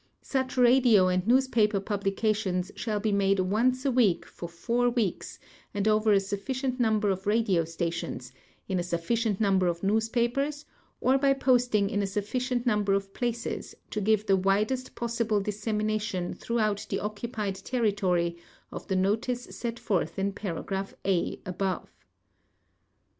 Such radio and newspaper publications shall be made once a week for four weeks and over a sufficient number of radio stations, in a sufficient number of newspapers or by posting in a sufficient number of places to give the widest possible dissemination throughout the occupied territory of the notice set forth in paragraph (a) above.